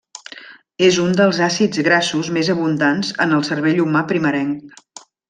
És un dels àcids grassos més abundants en el cervell humà primerenc.